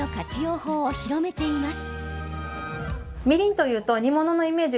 法を広めています。